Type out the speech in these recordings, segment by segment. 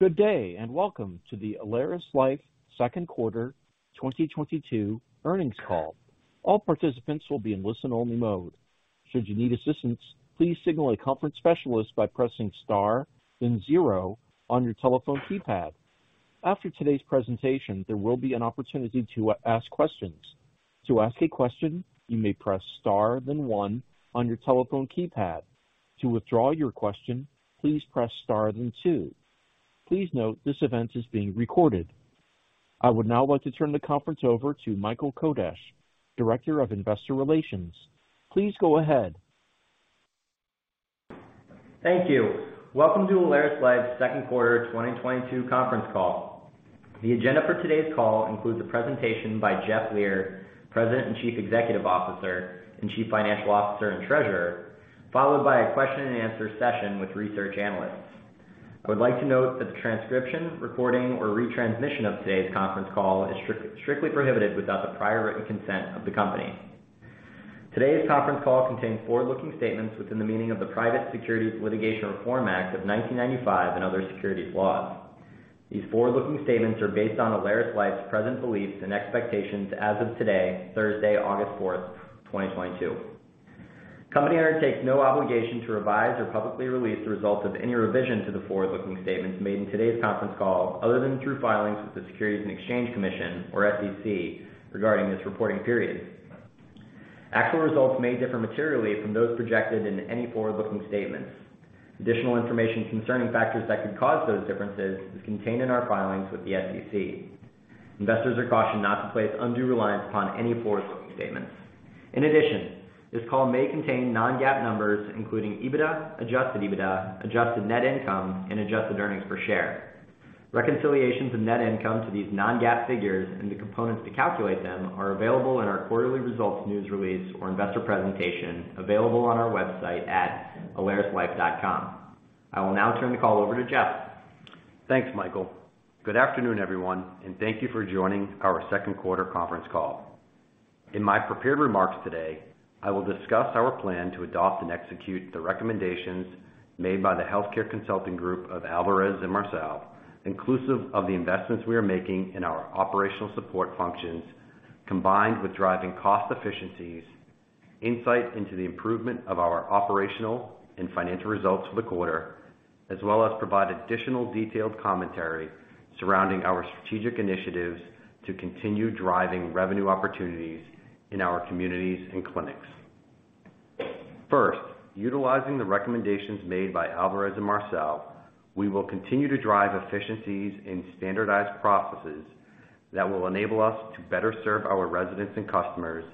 Good day, and welcome to the AlerisLife second quarter 2022 earnings call. All participants will be in listen-only mode. Should you need assistance, please signal a conference specialist by pressing star then zero on your telephone keypad. After today's presentation, there will be an opportunity to ask questions. To ask a question, you may press star then one on your telephone keypad. To withdraw your question, please press star then two. Please note this event is being recorded. I would now like to turn the conference over to Michael Kodesch, Director of Investor Relations. Please go ahead. Thank you. Welcome to AlerisLife's second quarter 2022 conference call. The agenda for today's call includes a presentation by Jeffrey Leer, President and Chief Executive Officer and Chief Financial Officer and Treasurer, followed by a question-and-answer session with research analysts. I would like to note that the transcription, recording, or retransmission of today's conference call is strictly prohibited without the prior written consent of the Company. Today's conference call contains forward-looking statements within the meaning of the Private Securities Litigation Reform Act of 1995 and other securities laws. These forward-looking statements are based on AlerisLife's present beliefs and expectations as of today, Thursday, August 4th, 2022. Company undertakes no obligation to revise or publicly release the results of any revision to the forward-looking statements made in today's conference call, other than through filings with the Securities and Exchange Commission or SEC regarding this reporting period. Actual results may differ materially from those projected in any forward-looking statements. Additional information concerning factors that could cause those differences is contained in our filings with the SEC. Investors are cautioned not to place undue reliance upon any forward-looking statements. In addition, this call may contain non-GAAP numbers, including EBITDA, adjusted EBITDA, adjusted net income, and adjusted earnings per share. Reconciliations of net income to these non-GAAP figures and the components to calculate them are available in our quarterly results news release or investor presentation available on our website at alerislife.com. I will now turn the call over to Jeff Leer. Thanks, Michael. Good afternoon, everyone, and thank you for joining our second quarter conference call. In my prepared remarks today, I will discuss our plan to adopt and execute the recommendations made by the healthcare consulting group of Alvarez & Marsal, inclusive of the investments we are making in our operational support functions, combined with driving cost efficiencies, insight into the improvement of our operational and financial results for the quarter, as well as provide additional detailed commentary surrounding our strategic initiatives to continue driving revenue opportunities in our communities and clinics. First, utilizing the recommendations made by Alvarez & Marsal, we will continue to drive efficiencies in standardized processes that will enable us to better serve our residents and customers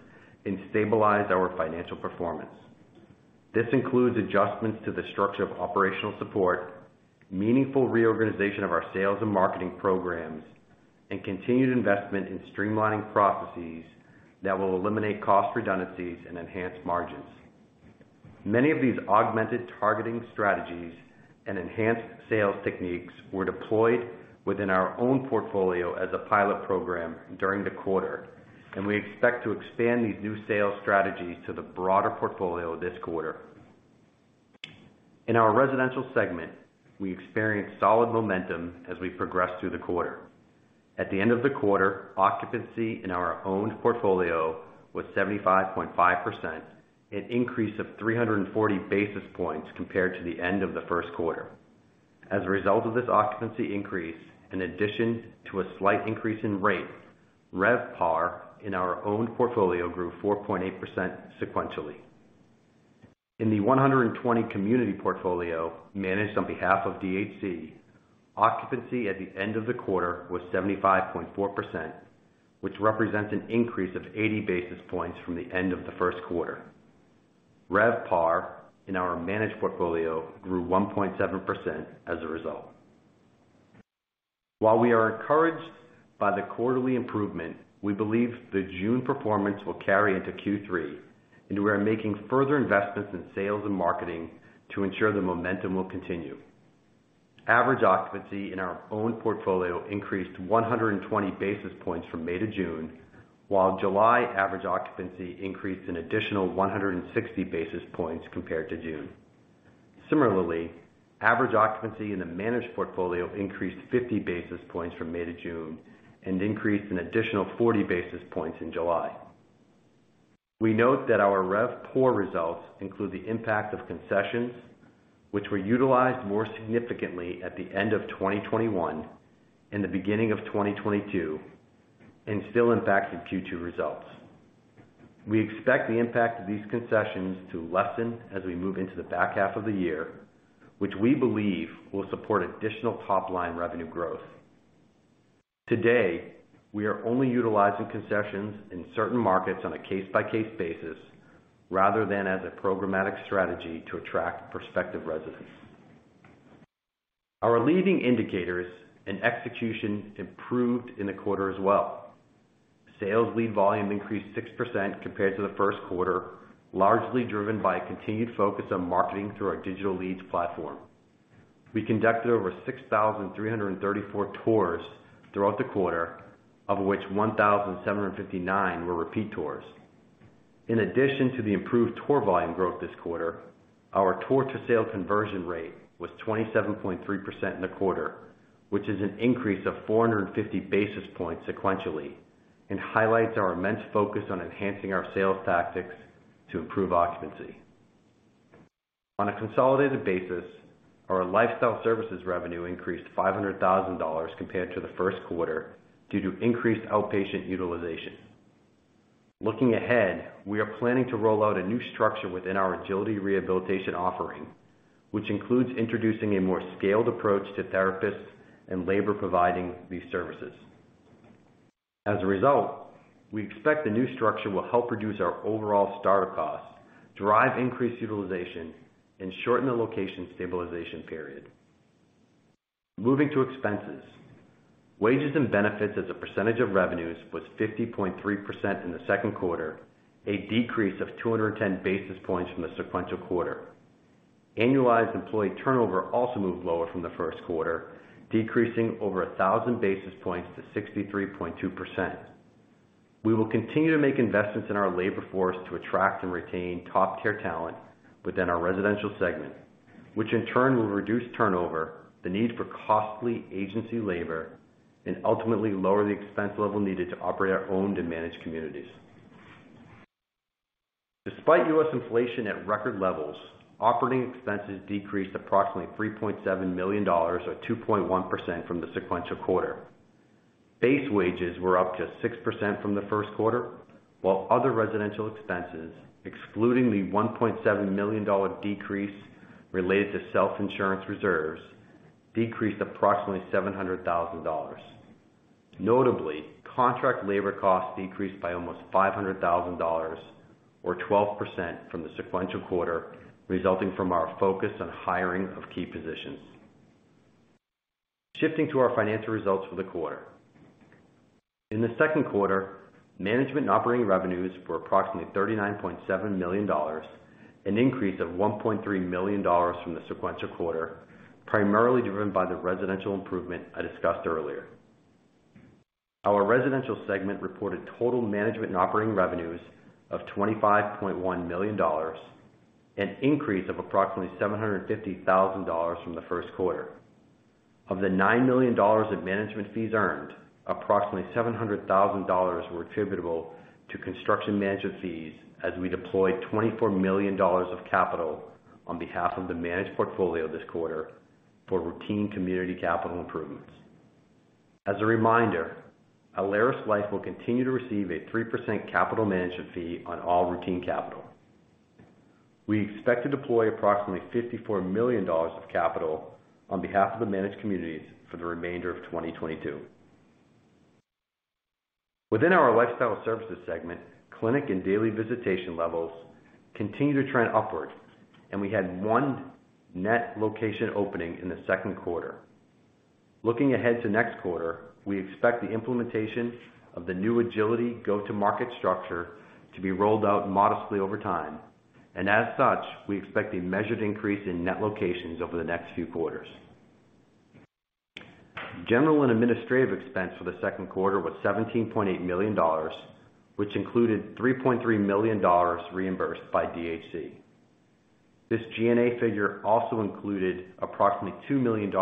and stabilize our financial performance. This includes adjustments to the structure of operational support, meaningful reorganization of our sales and marketing programs, and continued investment in streamlining processes that will eliminate cost redundancies and enhance margins. Many of these augmented targeting strategies and enhanced sales techniques were deployed within our own portfolio as a pilot program during the quarter, and we expect to expand these new sales strategies to the broader portfolio this quarter. In our residential segment, we experienced solid momentum as we progressed through the quarter. At the end of the quarter, occupancy in our own portfolio was 75.5%, an increase of 340 basis points compared to the end of the first quarter. As a result of this occupancy increase, in addition to a slight increase in rate, RevPAR in our owned portfolio grew 4.8% sequentially. In the 120 community portfolio managed on behalf of DHC, occupancy at the end of the quarter was 75.4%, which represents an increase of 80 basis points from the end of the first quarter. RevPAR in our managed portfolio grew 1.7% as a result. While we are encouraged by the quarterly improvement, we believe the June performance will carry into Q3, and we are making further investments in sales and marketing to ensure the momentum will continue. Average occupancy in our owned portfolio increased 120 basis points from May to June, while July average occupancy increased an additional 160 basis points compared to June. Similarly, average occupancy in the managed portfolio increased 50 basis points from May to June and increased an additional 40 basis points in July. We note that our RevPOR results include the impact of concessions which were utilized more significantly at the end of 2021 and the beginning of 2022 and still impacted Q2 results. We expect the impact of these concessions to lessen as we move into the back half of the year, which we believe will support additional top-line revenue growth. Today, we are only utilizing concessions in certain markets on a case-by-case basis rather than as a programmatic strategy to attract prospective residents. Our leading indicators and execution improved in the quarter as well. Sales lead volume increased 6% compared to the first quarter, largely driven by a continued focus on marketing through our digital leads platform. We conducted over 6,334 tours throughout the quarter, of which 1,759 were repeat tours. In addition to the improved tour volume growth this quarter, our tour to sale conversion rate was 27.3% in the quarter, which is an increase of 450 basis points sequentially, and highlights our immense focus on enhancing our sales tactics to improve occupancy. On a consolidated basis, our lifestyle services revenue increased $500,000 compared to the first quarter due to increased outpatient utilization. Looking ahead, we are planning to roll out a new structure within our Ageility rehabilitation offering, which includes introducing a more scaled approach to therapists and labor providing these services. As a result, we expect the new structure will help reduce our overall starter costs, drive increased utilization, and shorten the location stabilization period. Moving to expenses. Wages and benefits as a percentage of revenues was 50.3% in the second quarter, a decrease of 210 basis points from the sequential quarter. Annualized employee turnover also moved lower from the first quarter, decreasing over 1,000 basis points to 63.2%. We will continue to make investments in our labor force to attract and retain top care talent within our residential segment, which in turn will reduce turnover, the need for costly agency labor, and ultimately lower the expense level needed to operate our owned and managed communities. Despite U.S. inflation at record levels, operating expenses decreased approximately $3.7 million, or 2.1% from the sequential quarter. Base wages were up to 6% from the first quarter, while other residential expenses, excluding the $1.7 million decrease related to self-insurance reserves, decreased approximately $700,000. Notably, contract labor costs decreased by almost $500,000 or 12% from the sequential quarter, resulting from our focus on hiring of key positions. Shifting to our financial results for the quarter. In the second quarter, management and operating revenues were approximately $39.7 million, an increase of $1.3 million from the sequential quarter, primarily driven by the residential improvement I discussed earlier. Our residential segment reported total management and operating revenues of $25.1 million, an increase of approximately $750,000 from the first quarter. Of the $9 million of management fees earned, approximately $700,000 were attributable to construction management fees as we deployed $24 million of capital on behalf of the managed portfolio this quarter for routine community capital improvements. As a reminder, AlerisLife will continue to receive a 3% capital management fee on all routine capital. We expect to deploy approximately $54 million of capital on behalf of the managed communities for the remainder of 2022. Within our lifestyle services segment, clinic and daily visitation levels continue to trend upward, and we had one net location opening in the second quarter. Looking ahead to next quarter, we expect the implementation of the new Ageility go-to-market structure to be rolled out modestly over time. As such, we expect a measured increase in net locations over the next few quarters. General and administrative expense for the second quarter was $17.8 million, which included $3.3 million reimbursed by DHC. This G&A figure also included approximately $2 million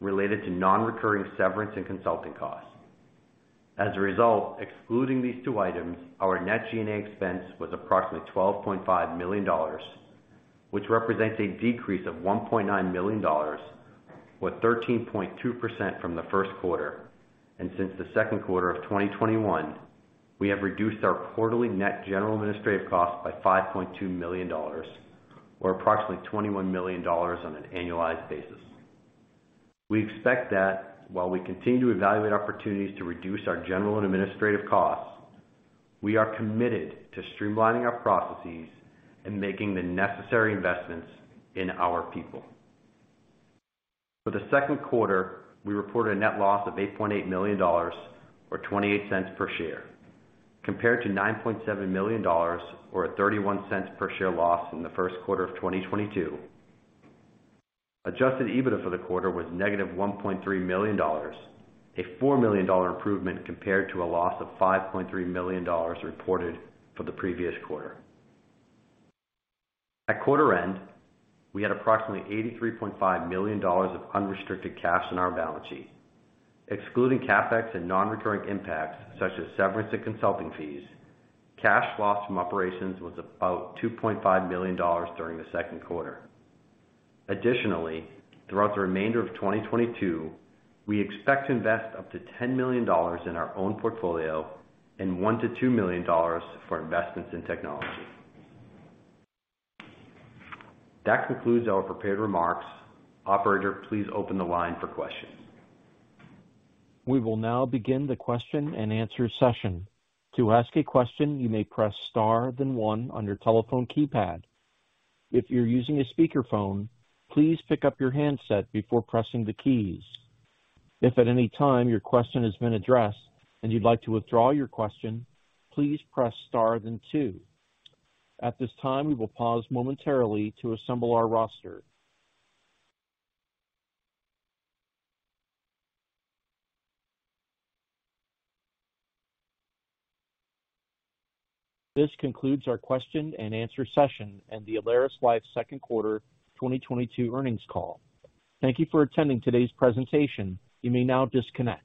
related to non-recurring severance and consulting costs. As a result, excluding these two items, our net G&A expense was approximately $12.5 million, which represents a decrease of $1.9 million or 13.2% from the first quarter. Since the second quarter of 2021, we have reduced our quarterly net general administrative costs by $5.2 million, or approximately $21 million on an annualized basis. We expect that while we continue to evaluate opportunities to reduce our general and administrative costs, we are committed to streamlining our processes and making the necessary investments in our people. For the second quarter, we reported a net loss of $8.8 million or $0.28 per share, compared to $9.7 million or a $0.31 per share loss in the first quarter of 2022. Adjusted EBITDA for the quarter was -$1.3 million, a $4 million improvement compared to a loss of $5.3 million reported for the previous quarter. At quarter end, we had approximately $83.5 million of unrestricted cash in our balance sheet. Excluding CapEx and non-recurring impacts such as severance and consulting fees, cash loss from operations was about $2.5 million during the second quarter. Additionally, throughout the remainder of 2022, we expect to invest up to $10 million in our own portfolio and $1 million-$2 million for investments in technology. That concludes our prepared remarks. Operator, please open the line for questions. We will now begin the question-and-answer session. To ask a question, you may press star, then one on your telephone keypad. If you're using a speakerphone, please pick up your handset before pressing the keys. If at any time your question has been addressed and you'd like to withdraw your question, please press star then two. At this time, we will pause momentarily to assemble our roster. This concludes our question-and-answer session and the AlerisLife second quarter 2022 earnings call. Thank you for attending today's presentation. You may now disconnect.